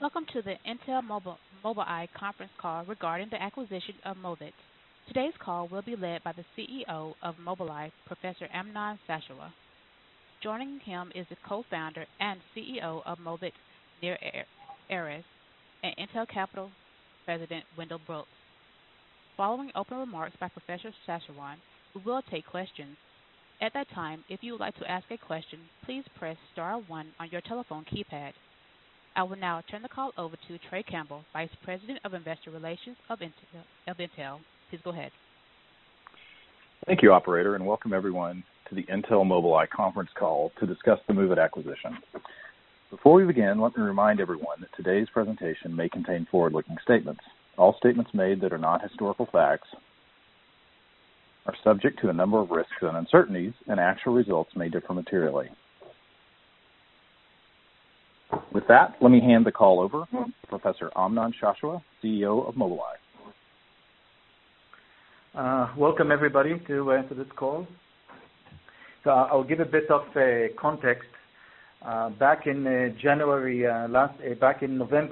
Welcome to the Intel Mobileye Conference Call regarding the acquisition of Moovit. Today's call will be led by the CEO of Mobileye, Professor Amnon Shashua. Joining him is the Co-Founder and CEO of Moovit, Nir Erez, and Intel Capital President Wendell Brooks. Following open remarks by Professor Shashua, we will take questions. At that time, if you would like to ask a question, please press star one on your telephone keypad. I will now turn the call over to Trey Campbell, Vice President of Investor Relations of Intel. Please go ahead. Thank you, Operator, and welcome everyone to the Intel Mobileye Conference Call to discuss the Moovit acquisition. Before we begin, let me remind everyone that today's presentation may contain forward-looking statements. All statements made that are not historical facts are subject to a number of risks and uncertainties, and actual results may differ materially. With that, let me hand the call over to Professor Amnon Shashua, CEO of Mobileye. Welcome everybody to this call. I'll give a bit of context. Back in November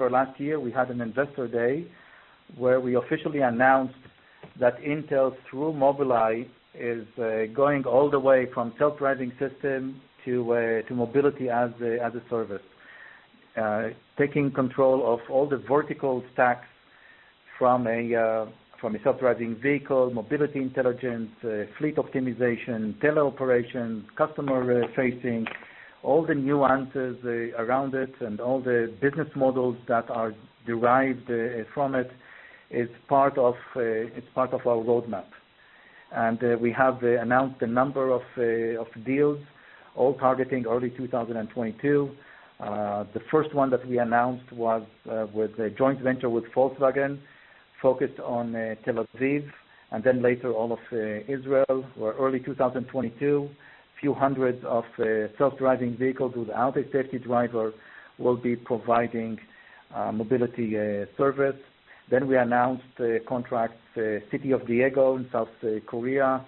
last year, we had an Investor Day where we officially announced that Intel, through Mobileye, is going all the way from self-driving system to Mobility as a Service. Taking control of all the vertical stacks from a self-driving vehicle, mobility intelligence, fleet optimization, teleoperations, customer-facing, all the nuances around it, and all the business models that are derived from it's part of our roadmap. We have announced a number of deals, all targeting early 2022. The first one that we announced was with a joint venture with Volkswagen, focused on Tel Aviv, and then later all of Israel, where early 2022, few hundreds of self-driving vehicles without a safety driver will be providing mobility service. We announced contracts, Daegu City in South Korea,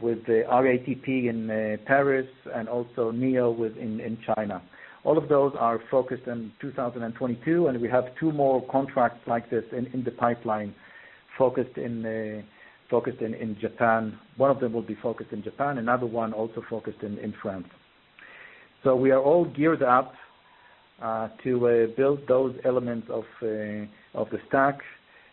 with RATP in Paris, and also NIO in China. All of those are focused in 2022. We have two more contracts like this in the pipeline focused in Japan. One of them will be focused in Japan, another one also focused in France. We are all geared up to build those elements of the stack.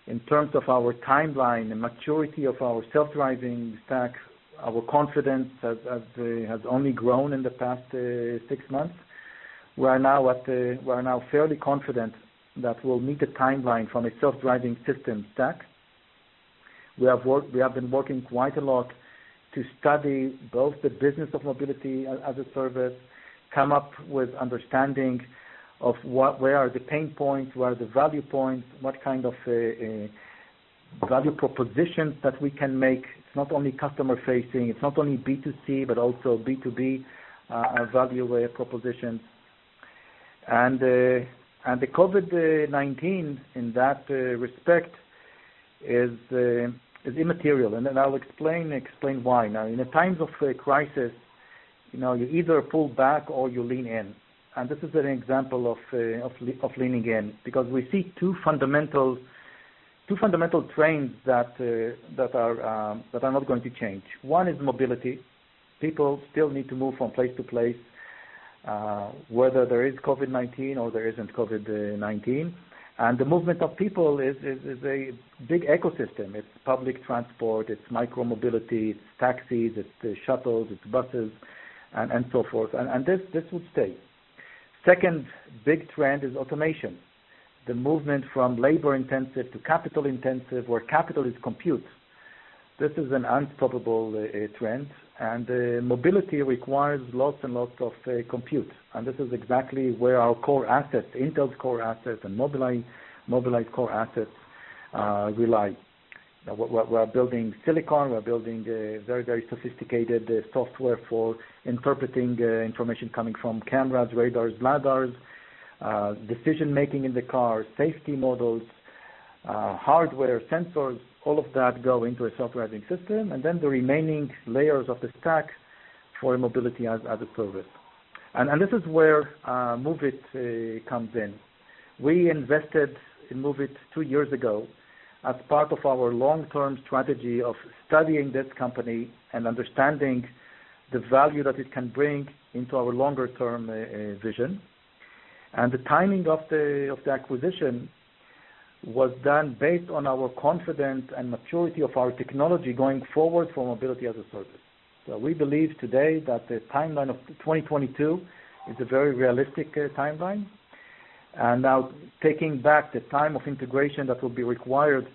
In terms of our timeline and maturity of our self-driving stack, our confidence has only grown in the past six months. We are now fairly confident that we'll meet the timeline from a self-driving system stack. We have been working quite a lot to study both the business of Mobility as a Service, come up with understanding of where are the pain points, where are the value points, what kind of value propositions that we can make. It's not only customer-facing, it's not only B2C, but also B2B value propositions. The COVID-19, in that respect, is immaterial, and I'll explain why. Now, in the times of crisis, you either pull back or you lean in. This is an example of leaning in, because we see two fundamental trends that are not going to change. One is mobility. People still need to move from place to place, whether there is COVID-19 or there isn't COVID-19. The movement of people is a big ecosystem. It's public transport, it's micro-mobility, it's taxis, it's shuttles, it's buses, and so forth. This will stay. Second big trend is automation. The movement from labor-intensive to capital-intensive, where capital is compute. This is an unstoppable trend. Mobility requires lots and lots of compute. This is exactly where our core assets, Intel's core assets and Mobileye's core assets rely. We're building silicon, we're building very, very sophisticated software for interpreting information coming from cameras, radars, lidars, decision-making in the car, safety models, hardware, sensors, all of that go into a self-driving system, then the remaining layers of the stack for Mobility as a Service. This is where Moovit comes in. We invested in Moovit two years ago as part of our long-term strategy of studying this company and understanding the value that it can bring into our longer-term vision. The timing of the acquisition was done based on our confidence and maturity of our technology going forward for Mobility as a Service. We believe today that the timeline of 2022 is a very realistic timeline. Now taking back the time of integration that will be required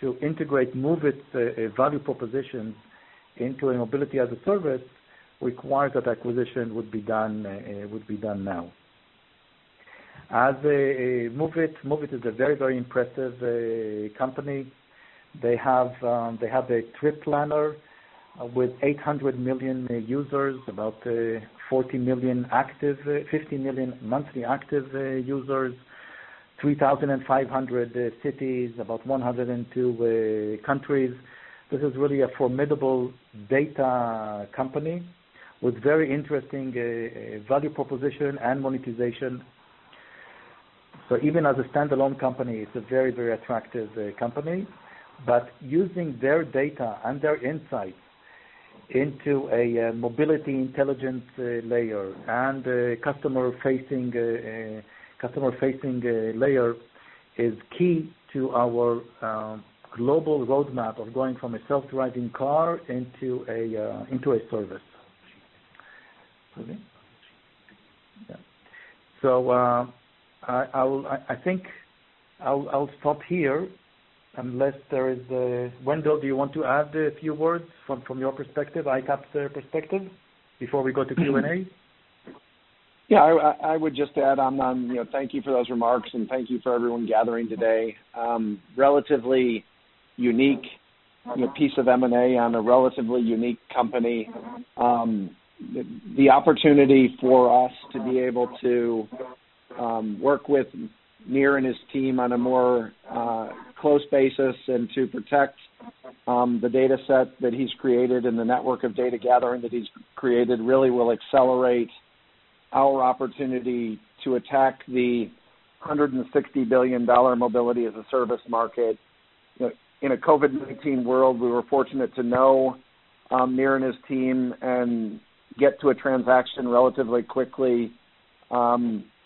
to integrate Moovit's value proposition into a Mobility as a Service requires that acquisition would be done now. Moovit is a very impressive company. They have a trip planner with 800 million users, about 40 million, 50 million monthly active users. 3,500 cities, about 102 countries. This is really a formidable data company with very interesting value proposition and monetization. Even as a standalone company, it's a very attractive company. But using their data and their insights into a mobility intelligence layer and a customer-facing layer is key to our global roadmap of going from a self-driving car into a service. I think I'll stop here unless Wendell, do you want to add a few words from your perspective, iCAP perspective, before we go to Q&A? I would just add, Amnon, thank you for those remarks and thank you for everyone gathering today. Relatively unique piece of M&A on a relatively unique company. The opportunity for us to be able to work with Nir and his team on a more close basis and to protect the data set that he's created and the network of data gathering that he's created really will accelerate our opportunity to attack the $160 billion Mobility as a Service market. In a COVID-19 world, we were fortunate to know Nir and his team and get to a transaction relatively quickly,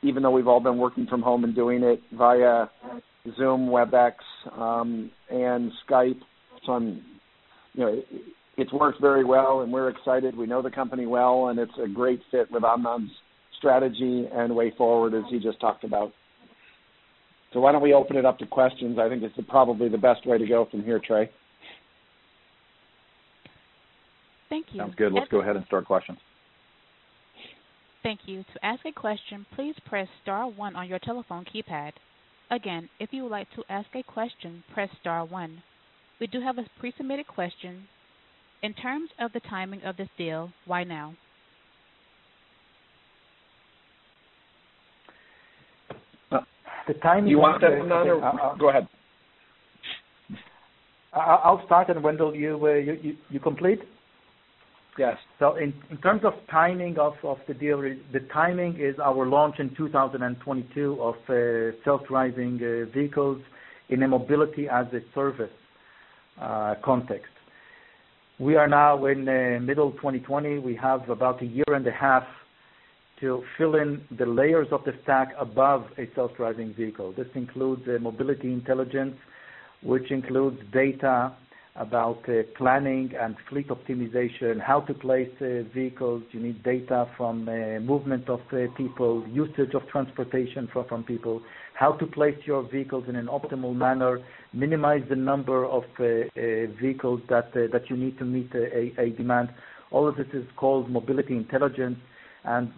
even though we've all been working from home and doing it via Zoom, Webex, and Skype. It's worked very well, and we're excited. We know the company well, and it's a great fit with Amnon's strategy and way forward, as he just talked about. Why don't we open it up to questions? I think it's probably the best way to go from here, Trey. Thank you. Sounds good. Let's go ahead and start questions. Thank you. To ask a question, please press star one on your telephone keypad. Again, if you would like to ask a question, press star one. We do have a pre-submitted question. In terms of the timing of this deal, why now? The timing- You want that or I'll- No, no. Go ahead. I'll start, and Wendell, you complete? Yes. In terms of timing of the deal, the timing is our launch in 2022 of self-driving vehicles in a Mobility as a Service context. We are now in the middle of 2020. We have about a year and a half to fill in the layers of the stack above a self-driving vehicle. This includes mobility intelligence, which includes data about planning and fleet optimization, how to place vehicles. You need data from movement of people, usage of transportation from people, how to place your vehicles in an optimal manner, minimize the number of vehicles that you need to meet a demand. All of this is called mobility intelligence,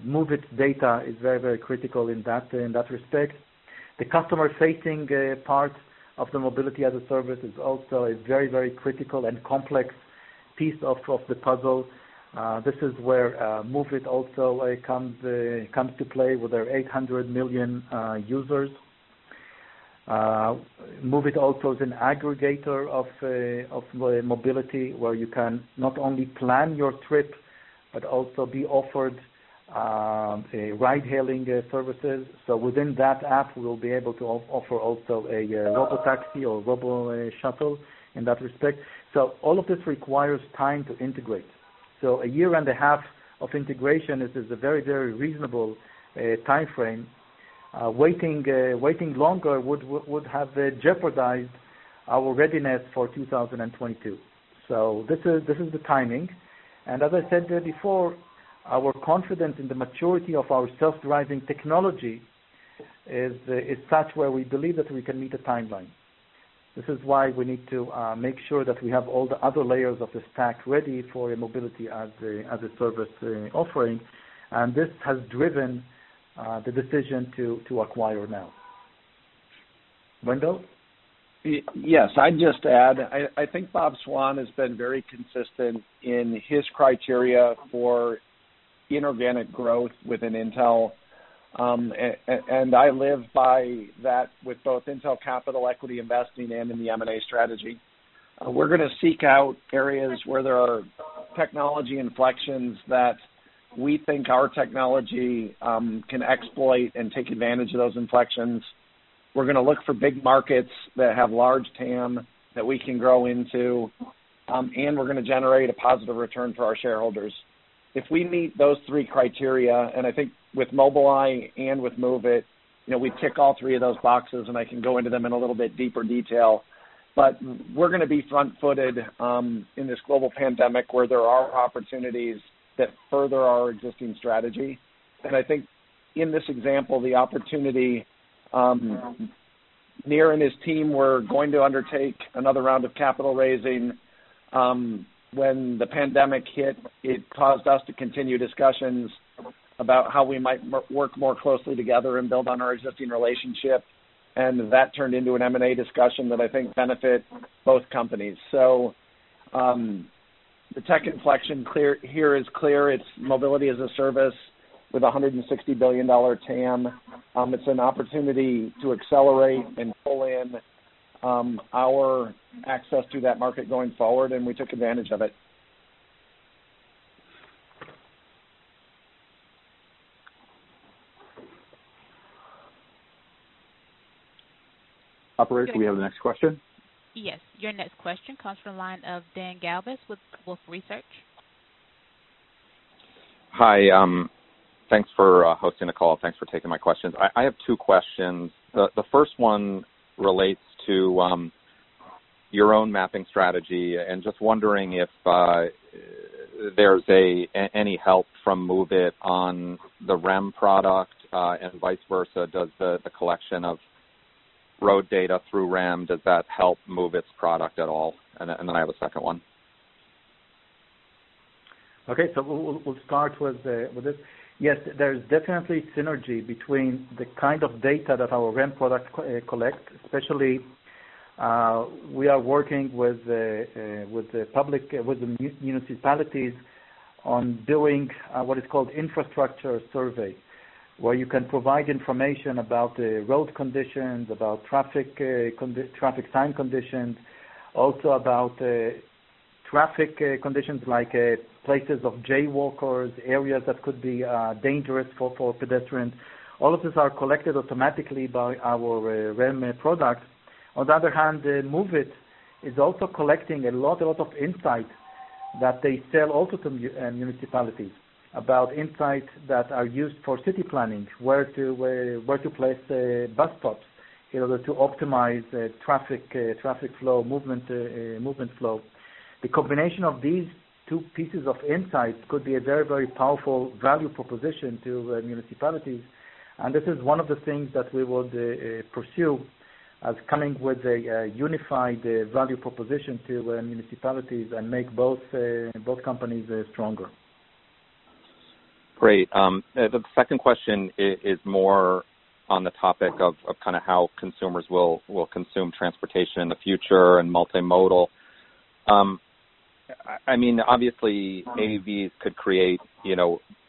Moovit data is very critical in that respect. The customer-facing part of the Mobility as a Service is also a very critical and complex piece of the puzzle. This is where Moovit also comes to play with their 800 million users. Moovit also is an aggregator of mobility, where you can not only plan your trip but also be offered ride-hailing services. Within that app, we'll be able to offer also a robo-taxi or robo-shuttle in that respect. All of this requires time to integrate. A year and a half of integration is a very, very reasonable timeframe. Waiting longer would have jeopardized our readiness for 2022. This is the timing. As I said before, our confidence in the maturity of our self-driving technology is such where we believe that we can meet a timeline. This is why we need to make sure that we have all the other layers of the stack ready for a Mobility as a Service offering, and this has driven the decision to acquire now. Wendell? Yes. I'd just add, I think Bob Swan has been very consistent in his criteria for inorganic growth within Intel, and I live by that with both Intel Capital equity investing and in the M&A strategy. We're going to seek out areas where there are technology inflections that we think our technology can exploit and take advantage of those inflections. We're going to look for big markets that have large TAM that we can grow into, and we're going to generate a positive return for our shareholders. If we meet those three criteria, and I think with Mobileye and with Moovit, we tick all three of those boxes, and I can go into them in a little bit deeper detail. We're going to be front-footed in this global pandemic where there are opportunities that further our existing strategy. I think in this example, the opportunity, Nir and his team were going to undertake another round of capital raising. When the pandemic hit, it caused us to continue discussions about how we might work more closely together and build on our existing relationship, and that turned into an M&A discussion that I think benefits both companies. The tech inflection here is clear. It's Mobility as a Service with $160 billion TAM. It's an opportunity to accelerate and pull in our access to that market going forward, and we took advantage of it. Operator, do we have the next question? Yes. Your next question comes from the line of Dan Galves with Wolfe Research. Hi. Thanks for hosting the call. Thanks for taking my questions. I have two questions. The first one relates to your own mapping strategy. Just wondering if there's any help from Moovit on the REM product, and vice versa. Does the collection of road data through REM help Moovit's product at all? I have a second one. Okay. We'll start with this. Yes, there's definitely synergy between the kind of data that our REM product collects, especially, we are working with the municipalities on doing what is called infrastructure survey, where you can provide information about the road conditions, about traffic sign conditions, also about traffic conditions like places of jaywalkers, areas that could be dangerous for pedestrians. All of these are collected automatically by our REM product. On the other hand, Moovit is also collecting a lot of insight that they sell also to municipalities about insights that are used for city planning, where to place bus stops in order to optimize traffic flow, movement flow. The combination of these two pieces of insights could be a very powerful value proposition to municipalities, and this is one of the things that we would pursue as coming with a unified value proposition to municipalities and make both companies stronger. Great. The second question is more on the topic of how consumers will consume transportation in the future and multimodal. Obviously, AVs could create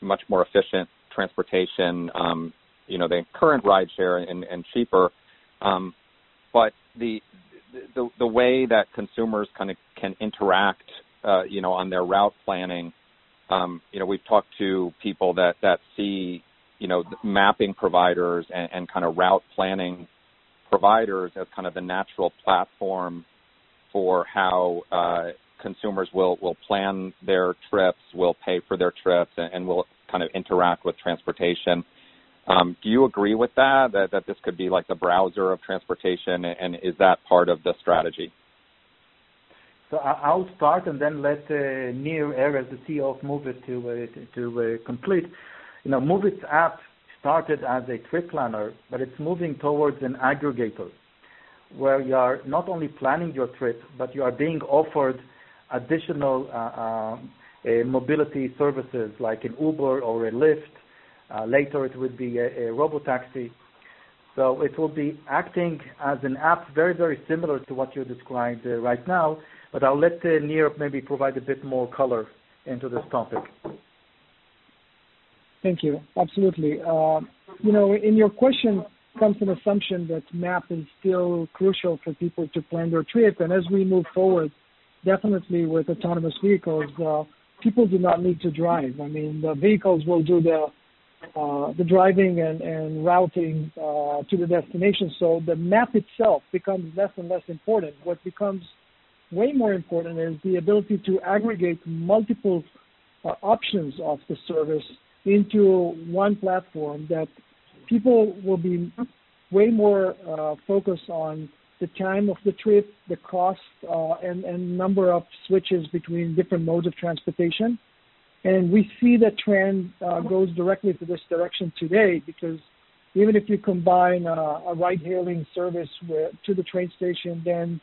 much more efficient transportation than current rideshare and cheaper. The way that consumers can interact on their route planning, we've talked to people that see mapping providers and route planning providers as the natural platform for how consumers will plan their trips, will pay for their trips, and will interact with transportation. Do you agree with that this could be like the browser of transportation, and is that part of the strategy? I'll start and then let Nir Erez, as the CEO of Moovit, to complete. Moovit's app started as a trip planner, but it's moving towards an aggregator, where you are not only planning your trip, but you are being offered additional mobility services like an Uber or a Lyft. Later it would be a robotaxi. It will be acting as an app very similar to what you described right now, but I'll let Nir maybe provide a bit more color into this topic. Thank you. Absolutely. In your question comes an assumption that map is still crucial for people to plan their trip. As we move forward, definitely with autonomous vehicles, people do not need to drive. The vehicles will do the driving and routing to the destination. The map itself becomes less and less important. What becomes way more important is the ability to aggregate multiple options of the service into one platform that people will be way more focused on the time of the trip, the cost, and number of switches between different modes of transportation. We see the trend goes directly to this direction today, because even if you combine a ride-hailing service to the train station, then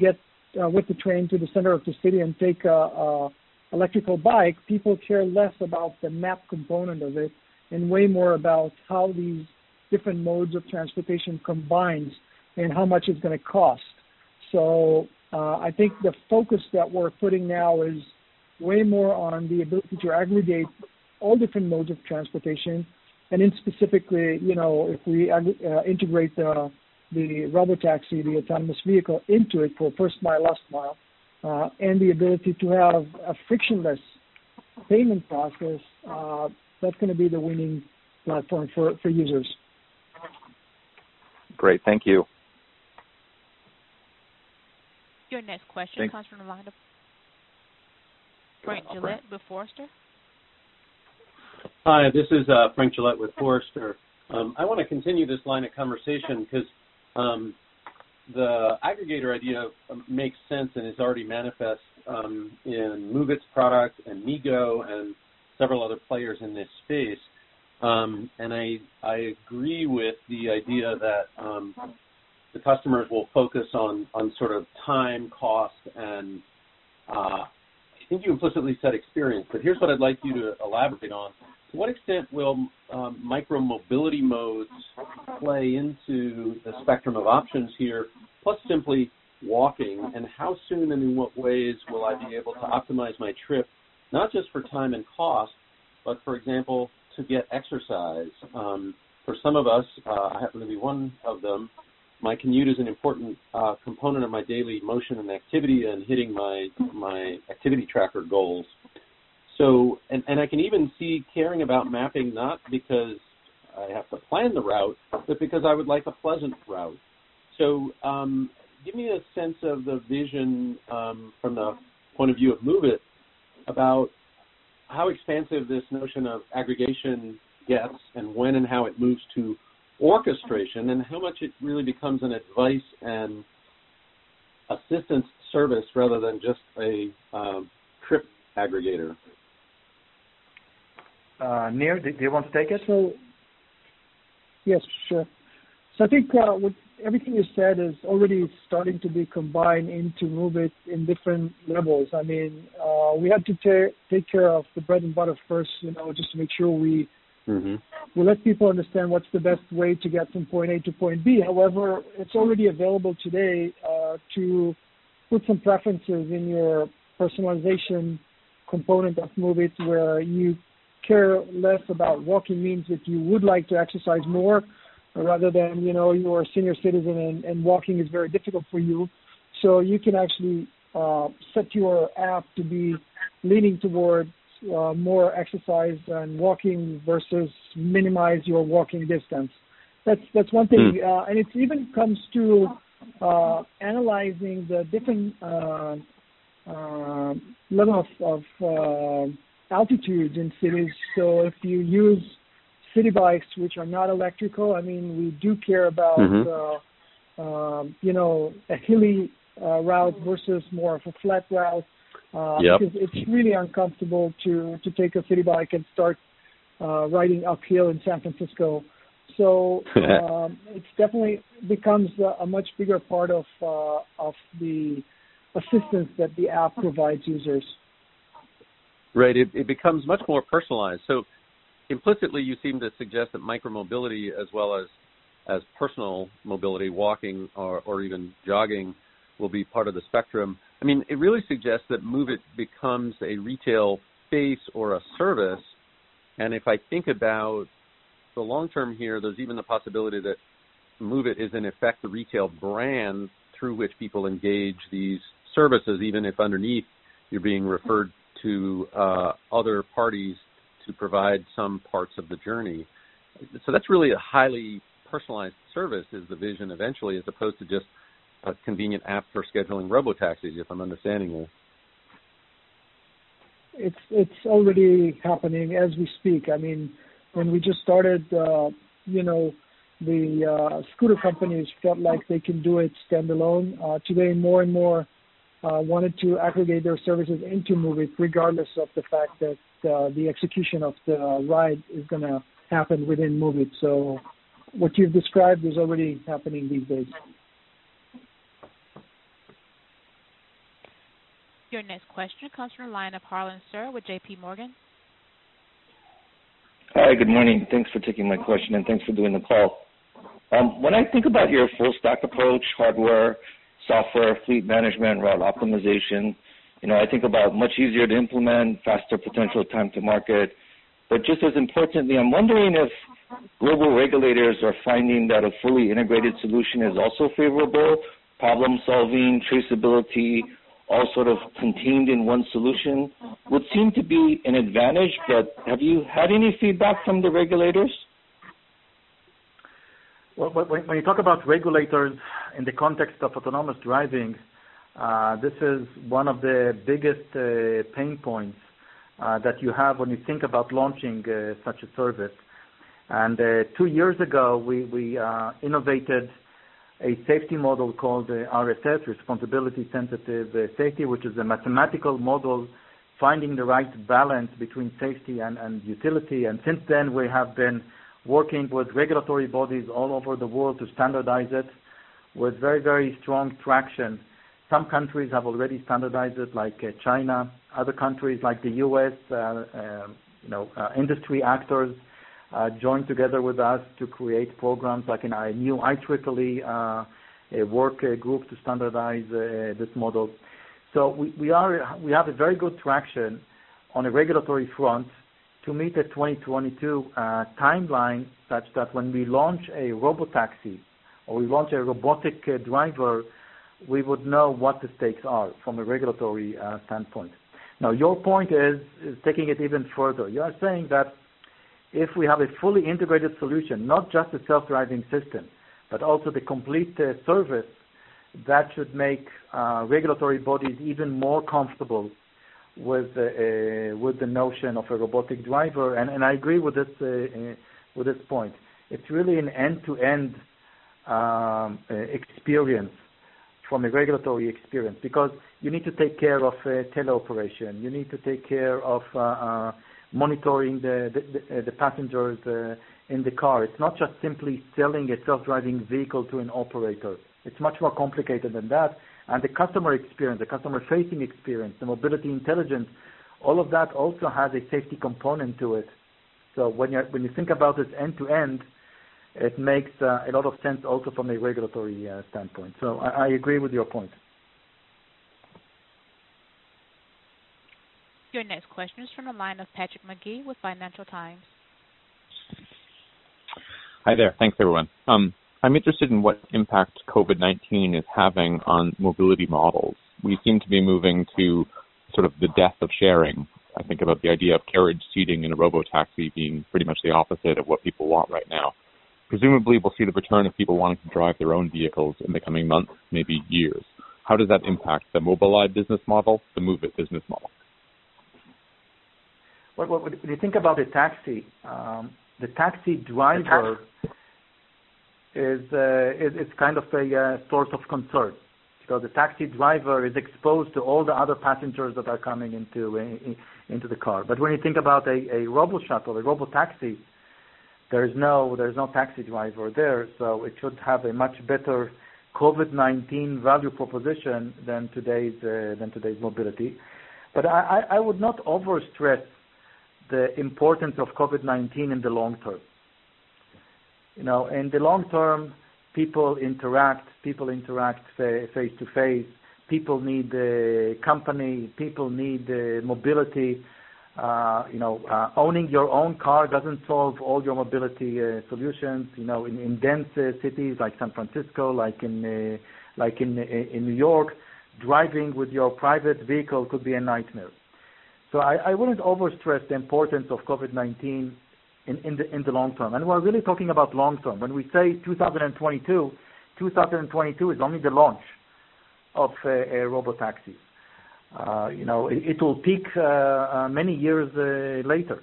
get with the train to the center of the city and take an electric bike, people care less about the map component of it and way more about how these different modes of transportation combines and how much it's going to cost. I think the focus that we're putting now is way more on the ability to aggregate all different modes of transportation, and in specifically, if we integrate the robotaxi, the autonomous vehicle, into it for first mile, last mile, and the ability to have a frictionless payment process, that's going to be the winning platform for users. Great. Thank you. Your next question comes from the line of Frank Gillett with Forrester. Hi, this is Frank Gillett with Forrester. I want to continue this line of conversation because the aggregator idea makes sense and is already manifest in Moovit's product and Nego and several other players in this space. I agree with the idea that the customers will focus on time, cost and, I think you implicitly said experience. Here's what I'd like you to elaborate on. To what extent will micro-mobility modes play into the spectrum of options here, plus simply walking, and how soon and in what ways will I be able to optimize my trip, not just for time and cost. For example, to get exercise. For some of us, I happen to be one of them, my commute is an important component of my daily motion and activity and hitting my activity tracker goals. I can even see caring about mapping, not because I have to plan the route, but because I would like a pleasant route. Give me a sense of the vision, from the point of view of Moovit, about how expansive this notion of aggregation gets and when and how it moves to orchestration, and how much it really becomes an advice and assistance service rather than just a trip aggregator. Nir, do you want to take it? Yes, sure. I think with everything you said is already starting to be combined into Moovit in different levels. We have to take care of the bread and butter first, just to make sure. Let people understand what's the best way to get from point A to point B. It's already available today, to put some preferences in your personalization component of Moovit, where you care less about walking means if you would like to exercise more rather than, you are a senior citizen and walking is very difficult for you. You can actually set your app to be leaning towards more exercise and walking versus minimize your walking distance. That's one thing. It even comes to analyzing the different level of altitudes in cities. If you use city bikes, which are not electrical, we do care about a hilly route versus more of a flat route. Yep. It's really uncomfortable to take a city bike and start riding uphill in San Francisco. It's definitely becomes a much bigger part of the assistance that the app provides users. Right. It becomes much more personalized. Implicitly, you seem to suggest that micro-mobility as well as personal mobility, walking or even jogging, will be part of the spectrum. It really suggests that Moovit becomes a retail space or a service. If I think about the long term here, there's even the possibility that Moovit is in effect the retail brand through which people engage these services, even if underneath you're being referred to other parties to provide some parts of the journey. That's really a highly personalized service, is the vision eventually, as opposed to just a convenient app for scheduling robotaxis, if I'm understanding you. It's already happening as we speak. When we just started, the scooter companies felt like they can do it standalone. Today, more and more wanted to aggregate their services into Moovit regardless of the fact that the execution of the ride is going to happen within Moovit. What you've described is already happening these days. Your next question comes from the line of Harlan Sur with JPMorgan. Hi. Good morning. Thanks for taking my question, and thanks for doing the call. When I think about your full stack approach, hardware, software, fleet management, route optimization, I think about much easier to implement, faster potential time to market. Just as importantly, I'm wondering if global regulators are finding that a fully integrated solution is also favorable. Problem-solving, traceability, all sort of contained in one solution. Would seem to be an advantage, but have you had any feedback from the regulators? When you talk about regulators in the context of autonomous driving, this is one of the biggest pain points that you have when you think about launching such a service. Two years ago, we innovated a safety model called RSS, Responsibility-Sensitive Safety, which is a mathematical model finding the right balance between safety and utility. Since then, we have been working with regulatory bodies all over the world to standardize it with very strong traction. Some countries have already standardized it, like China. Other countries, like the U.S., industry actors joined together with us to create programs like a new IEEE work group to standardize this model. We have a very good traction on a regulatory front to meet the 2022 timeline, such that when we launch a robotaxi or we launch a robotic driver, we would know what the stakes are from a regulatory standpoint. Your point is taking it even further. You are saying that if we have a fully integrated solution, not just a self-driving system, but also the complete service, that should make regulatory bodies even more comfortable with the notion of a robotic driver. I agree with this point. It's really an end-to-end experience from a regulatory experience, because you need to take care of teleoperation. You need to take care of monitoring the passengers in the car. It's not just simply selling a self-driving vehicle to an operator. It's much more complicated than that. The customer experience, the customer-facing experience, the mobility intelligence, all of that also has a safety component to it. When you think about it end to end, it makes a lot of sense also from a regulatory standpoint. I agree with your point. Your next question is from the line of Patrick McGee with Financial Times. Hi there. Thanks, everyone. I'm interested in what impact COVID-19 is having on mobility models. We seem to be moving to the death of sharing. I think about the idea of carriage seating in a robotaxi being pretty much the opposite of what people want right now. Presumably, we'll see the return of people wanting to drive their own vehicles in the coming months, maybe years. How does that impact the Mobileye business model, the Moovit business model? When you think about the taxi, the taxi driver is a source of concern because the taxi driver is exposed to all the other passengers that are coming into the car. When you think about a roboshuttle, a robotaxi, there is no taxi driver there, so it should have a much better COVID-19 value proposition than today's mobility. I would not overstress the importance of COVID-19 in the long term. In the long term, people interact face-to-face. People need company. People need mobility. Owning your own car doesn't solve all your mobility solutions. In dense cities like San Francisco, like in New York, driving with your private vehicle could be a nightmare. I wouldn't overstress the importance of COVID-19 in the long term. We're really talking about long term. When we say 2022 is only the launch of robotaxis. It will peak many years later.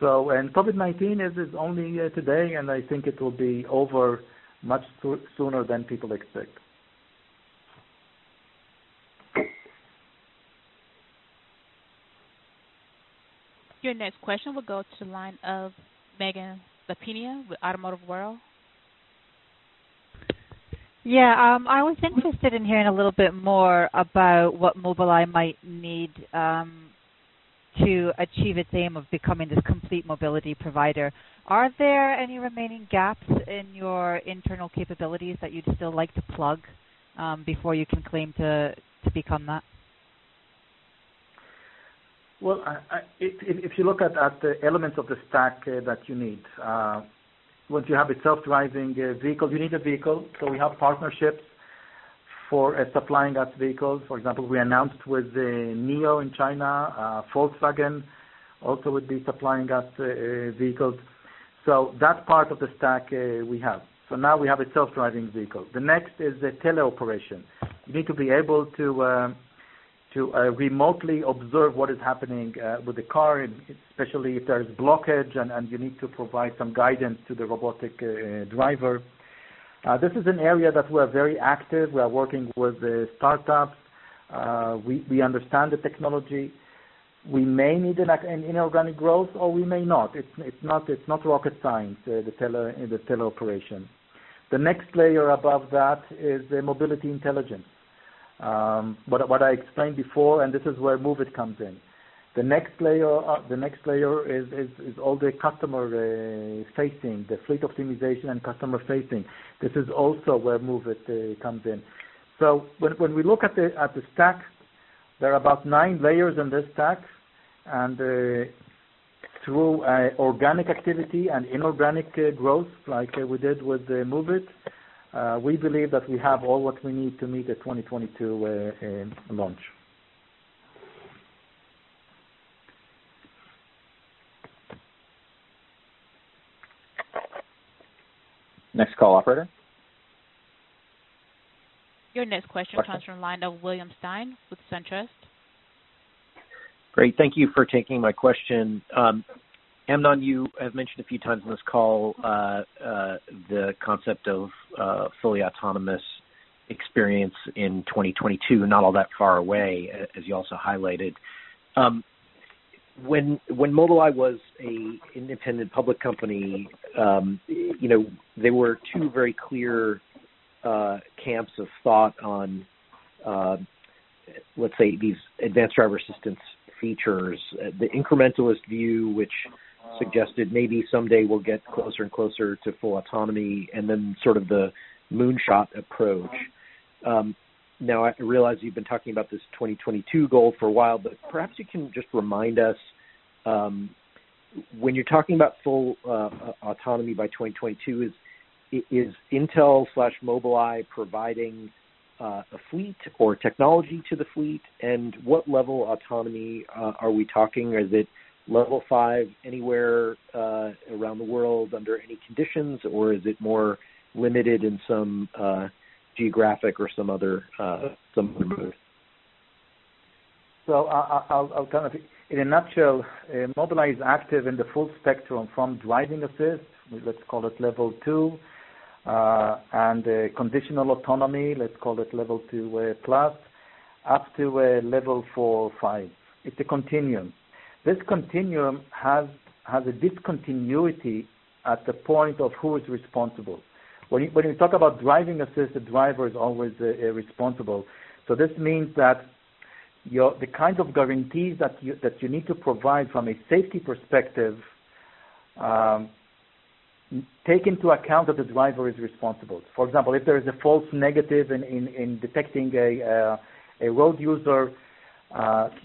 COVID-19 is only here today, and I think it will be over much sooner than people expect. Your next question will go to the line of Megan Lampinen with Automotive World. Yeah. I was interested in hearing a little bit more about what Mobileye might need to achieve its aim of becoming this complete mobility provider. Are there any remaining gaps in your internal capabilities that you'd still like to plug before you can claim to become that? If you look at the elements of the stack that you need. Once you have a self-driving vehicle, you need a vehicle. We have partnerships for supplying us vehicles. For example, we announced with NIO in China. Volkswagen also would be supplying us vehicles. That part of the stack we have. Now we have a self-driving vehicle. The next is the teleoperation. You need to be able to remotely observe what is happening with the car, especially if there is blockage and you need to provide some guidance to the robotic driver. This is an area that we are very active. We are working with startups. We understand the technology. We may need an inorganic growth or we may not. It's not rocket science, the teleoperation. The next layer above that is the mobility intelligence. What I explained before, and this is where Moovit comes in. The next layer is all the customer-facing, the fleet optimization and customer-facing. This is also where Moovit comes in. When we look at the stack, there are about nine layers in this stack, and through organic activity and inorganic growth like we did with Moovit, we believe that we have all what we need to meet the 2022 launch. Next call, operator. Your next question comes from the line of William Stein with SunTrust. Great. Thank you for taking my question. Amnon, you have mentioned a few times on this call the concept of fully autonomous experience in 2022, not all that far away, as you also highlighted. When Mobileye was an independent public company, there were two very clear camps of thought on, let's say, these advanced driver assistance features. The incrementalist view, which suggested maybe someday we'll get closer and closer to full autonomy, and then sort of the moonshot approach. Now, I realize you've been talking about this 2022 goal for a while, but perhaps you can just remind us, when you're talking about full autonomy by 2022, is Intel/Mobileye providing a fleet or technology to the fleet? What Level autonomy are we talking? Is it Level 5 anywhere around the world under any conditions? Or is it more limited in some geographic or some other? In a nutshell, Mobileye is active in the full spectrum from driving assist, let's call it Level 2, and conditional autonomy, let's call it Level 2+, up to Level 4 or 5. It's a continuum. This continuum has a discontinuity at the point of who is responsible. When you talk about driving assist, the driver is always responsible. This means that the kind of guarantees that you need to provide from a safety perspective. Take into account that the driver is responsible. For example, if there is a false negative in detecting a road user,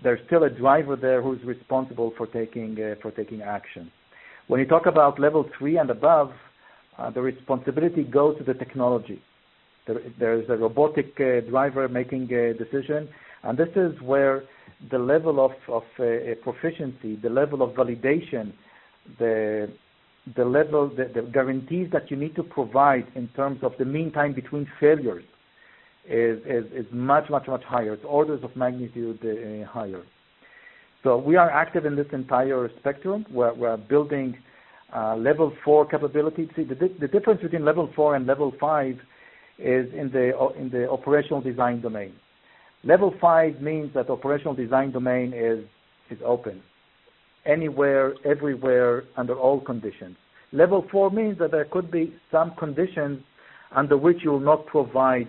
there's still a driver there who's responsible for taking action. When you talk about Level 3 and above, the responsibility goes to the technology. There is a robotic driver making a decision, and this is where the level of proficiency, the level of validation, the guarantees that you need to provide in terms of the mean time between failures is much higher. It's orders of magnitude higher. We are active in this entire spectrum. We're building Level 4 capability. The difference between Level 4 and Level 5 is in the Operational Design Domain. Level 5 means that Operational Design Domain is open anywhere, everywhere, under all conditions. Level 4 means that there could be some conditions under which you will not provide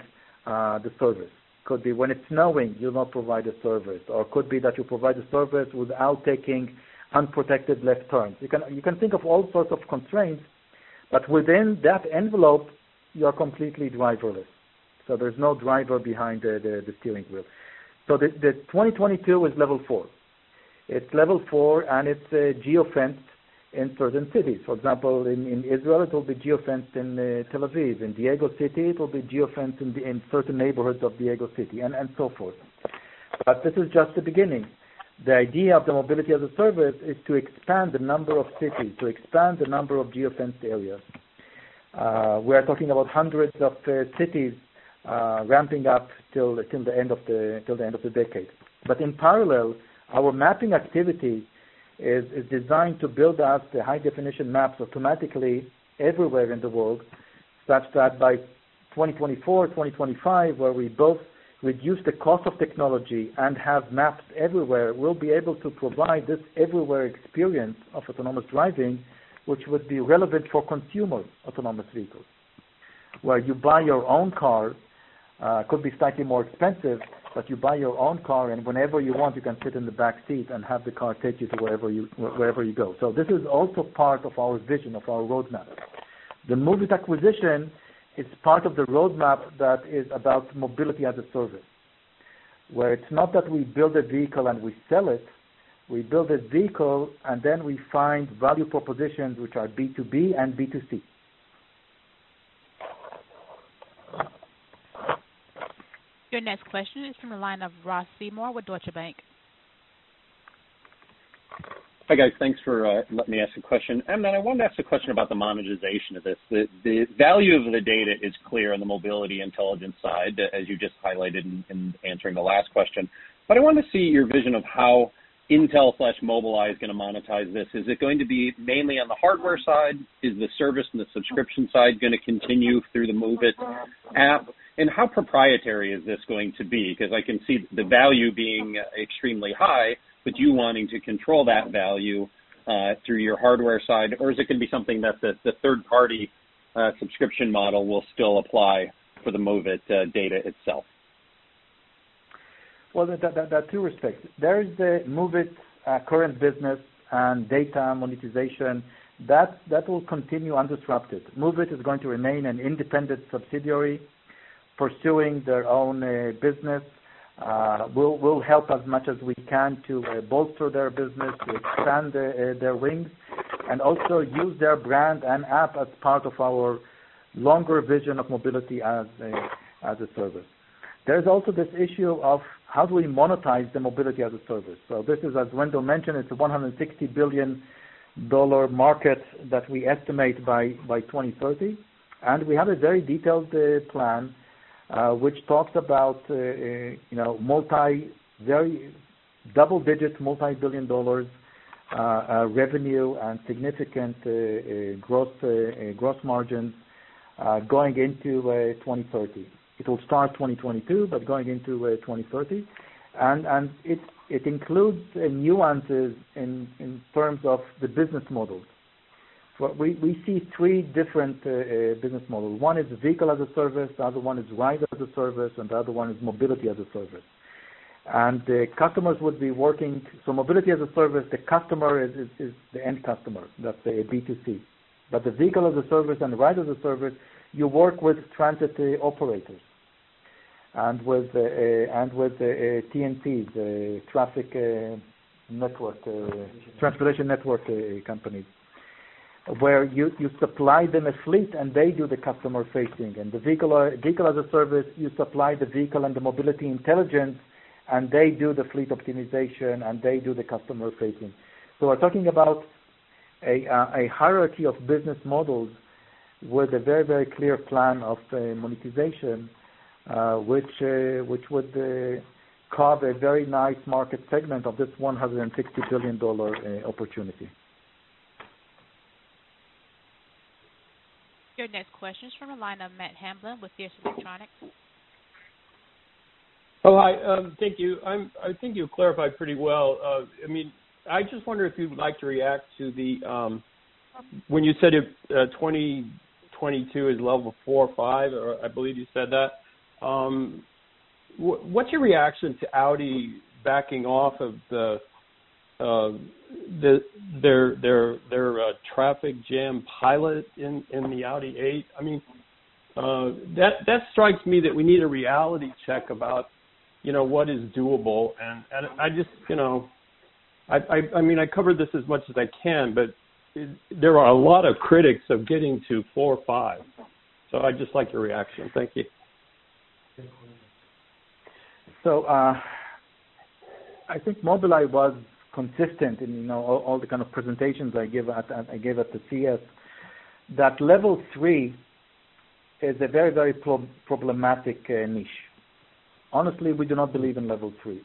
the service. Could be when it's snowing, you'll not provide a service, or could be that you provide a service without taking unprotected left turns. You can think of all sorts of constraints, but within that envelope, you are completely driverless. There's no driver behind the steering wheel. The 2022 is Level 4. It's Level 4, and it's geofenced in certain cities. For example, in Israel, it will be geofenced in Tel Aviv. In Daegu City, it will be geofenced in certain neighborhoods of Daegu City and so forth. This is just the beginning. The idea of the Mobility as a Service is to expand the number of cities, to expand the number of geofenced areas. We are talking about hundreds of cities ramping up till the end of the decade. In parallel, our mapping activity is designed to build out the high-definition maps automatically everywhere in the world such that by 2024, 2025, where we both reduce the cost of technology and have maps everywhere, we'll be able to provide this everywhere experience of autonomous driving, which would be relevant for consumer autonomous vehicles. You buy your own car, could be slightly more expensive, but you buy your own car, and whenever you want, you can sit in the back seat and have the car take you wherever you go. This is also part of our vision, of our roadmap. The Moovit acquisition is part of the roadmap that is about Mobility as a Service. It's not that we build a vehicle and we sell it, we build a vehicle, and then we find value propositions which are B2B and B2C. Your next question is from the line of Ross Seymore with Deutsche Bank. Hi, guys. Thanks for letting me ask a question. Amnon, I wanted to ask a question about the monetization of this. The value of the data is clear on the mobility intelligence side, as you just highlighted in answering the last question. I want to see your vision of how Intel/Mobileye is going to monetize this. Is it going to be mainly on the hardware side? Is the service and the subscription side going to continue through the Moovit app? How proprietary is this going to be? I can see the value being extremely high, but you wanting to control that value through your hardware side, or is it going to be something that the third-party subscription model will still apply for the Moovit data itself? There are two respects. There is the Moovit current business and data monetization. That will continue undisrupted. Moovit is going to remain an independent subsidiary pursuing their own business. We'll help as much as we can to bolster their business, to expand their wings, and also use their brand and app as part of our longer vision of Mobility as a Service. There's also this issue of how do we monetize the Mobility as a Service. This is, as Wendell mentioned, it's a $160 billion market that we estimate by 2030. We have a very detailed plan which talks about double-digit multibillion dollars revenue and significant gross margin going into 2030. It will start 2022, but going into 2030. It includes nuances in terms of the business models. We see three different business models. One is the vehicle as a service, the other one is ride as a service, and the other one is Mobility as a Service. Mobility as a Service, the customer is the end customer, that's a B2C. The vehicle as a service and the ride as a service, you work with transit operators and with TNCs, Transportation Network Companies. Where you supply them a fleet, and they do the customer facing. The vehicle as a service, you supply the vehicle and the mobility intelligence, and they do the fleet optimization, and they do the customer facing. We're talking about a hierarchy of business models with a very clear plan of monetization which would carve a very nice market segment of this $160 billion opportunity. Your next question is from the line of Matt Hamblen with Fierce Electronics. Oh, hi. Thank you. I think you clarified pretty well. I just wonder if you would like to react to when you said if 2022 is Level 4 or 5, or I believe you said that. What's your reaction to Audi backing off of their Traffic Jam Pilot in the Audi A8. That strikes me that we need a reality check about what is doable. I covered this as much as I can, but there are a lot of critics of getting to 4, 5. I'd just like your reaction. Thank you. I think Mobileye was consistent in all the kind of presentations I give at the CES, that Level 3 is a very, very problematic niche. Honestly, we do not believe in Level 3.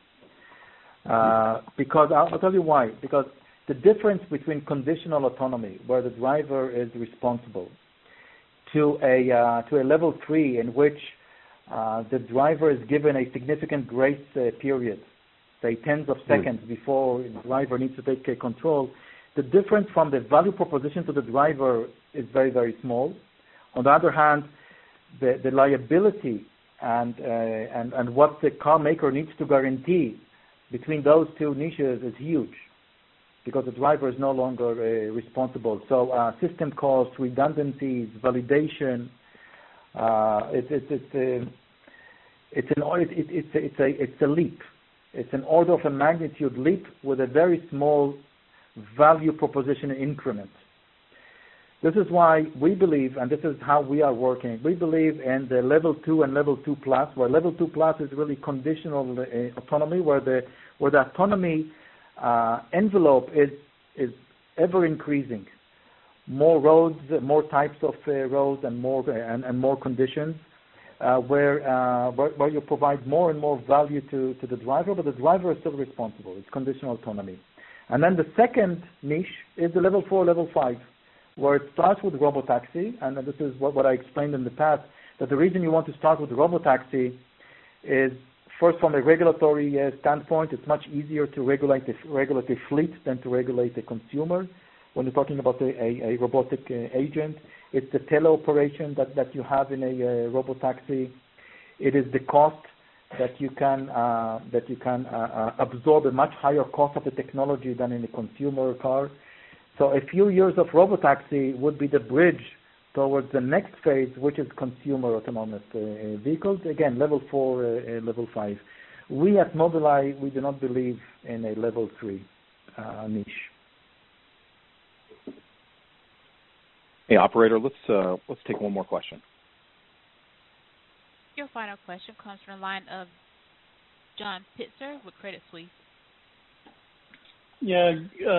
I'll tell you why, because the difference between conditional autonomy, where the driver is responsible, to a Level 3 in which the driver is given a significant grace period, say tens of seconds before the driver needs to take control, the difference from the value proposition to the driver is very, very small. On the other hand, the liability and what the car maker needs to guarantee between those two niches is huge, because the driver is no longer responsible. System costs, redundancies, validation, it's a leap. It's an order of a magnitude leap with a very small value proposition increment. This is why we believe, this is how we are working, we believe in the Level 2 and Level 2+, where Level 2+ is really conditional autonomy, where the autonomy envelope is ever-increasing. More roads, more types of roads, more conditions, where you provide more and more value to the driver, the driver is still responsible. It's conditional autonomy. Then the second niche is the Level 4, Level 5, where it starts with robotaxi, this is what I explained in the past, that the reason you want to start with robotaxi is first, from a regulatory standpoint, it's much easier to regulate a fleet than to regulate the consumer when you're talking about a robotic agent. It's the teleoperation that you have in a robotaxi. It is the cost that you can absorb a much higher cost of the technology than in a consumer car. A few years of robotaxi would be the bridge towards the next phase, which is consumer autonomous vehicles. Again, Level 4, Level 5. We at Mobileye, we do not believe in a Level 3 niche. Hey, operator, let's take one more question. Your final question comes from the line of John Pitzer with Credit Suisse. Yeah.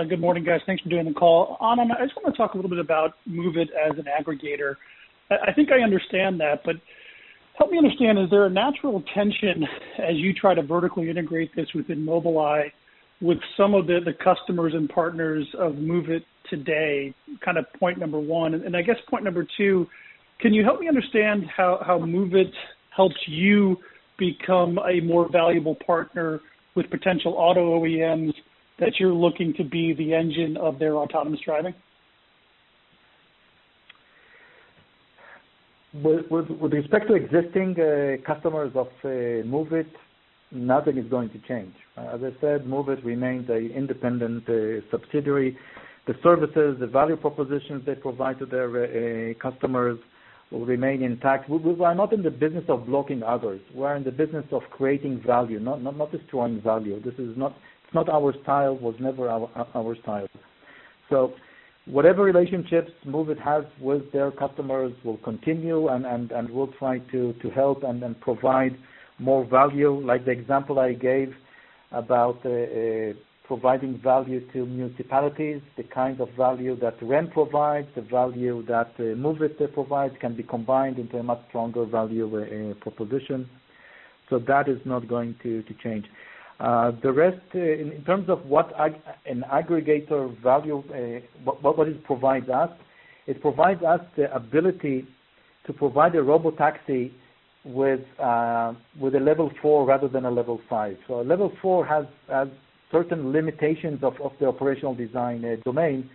Good morning, guys. Thanks for doing the call. Amnon, I just want to talk a little bit about Moovit as an aggregator. I think I understand that. Help me understand, is there a natural tension as you try to vertically integrate this within Mobileye with some of the customers and partners of Moovit today, kind of point number one? I guess point number two, can you help me understand how Moovit helps you become a more valuable partner with potential auto OEMs that you're looking to be the engine of their autonomous driving? With respect to existing customers of Moovit, nothing is going to change. As I said, Moovit remains an independent subsidiary. The services, the value propositions they provide to their customers will remain intact. We are not in the business of blocking others. We're in the business of creating value, not destroying value. This is not our style, was never our style. Whatever relationships Moovit has with their customers will continue, and we'll try to help and then provide more value, like the example I gave about providing value to municipalities, the kind of value that RAM provides, the value that Moovit provides, can be combined into a much stronger value proposition. That is not going to change. The rest, in terms of what an aggregator value, what it provides us, it provides us the ability to provide a robotaxi with a Level 4 rather than a Level 5. A Level 4 has certain limitations of the Operational Design Domain,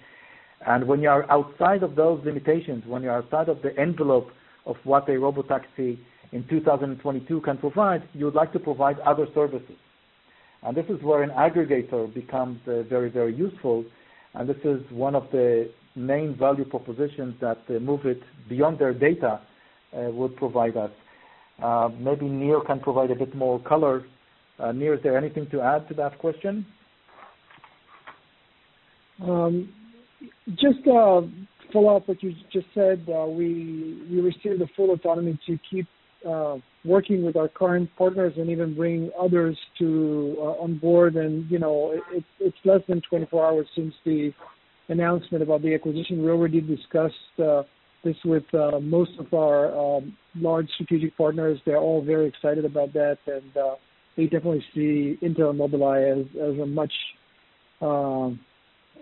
and when you are outside of those limitations, when you're outside of the envelope of what a robotaxi in 2022 can provide, you would like to provide other services. This is where an aggregator becomes very, very useful, and this is one of the main value propositions that Moovit, beyond their data, would provide us. Maybe Nir can provide a bit more color. Nir, is there anything to add to that question? Just to follow up what you just said, we received the full autonomy to keep working with our current partners and even bring others on board. It's less than 24 hours since the announcement about the acquisition. We already discussed this with most of our large strategic partners. They're all very excited about that, and they definitely see Intel and Mobileye as a much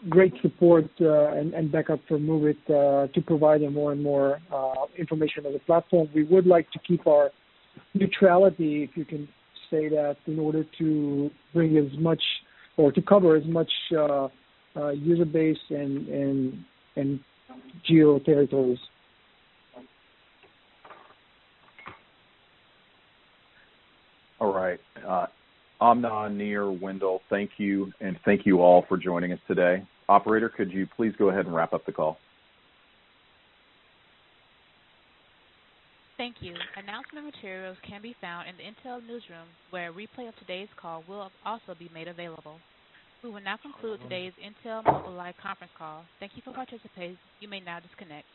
great support and backup for Moovit to provide more and more information on the platform. We would like to keep our neutrality, if you can say that, in order to bring as much, or to cover as much user base and geo territories. All right. Amnon, Nir, Wendell, thank you, and thank you all for joining us today. Operator, could you please go ahead and wrap up the call? Thank you. Announcement materials can be found in the Intel newsroom, where a replay of today's call will also be made available. We will now conclude today's Intel Mobileye conference call. Thank you for participating. You may now disconnect.